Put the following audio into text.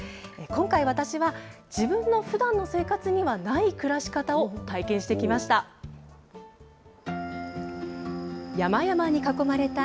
今回、私は自分のふだんの生活にはない暮らし方を体験してきました。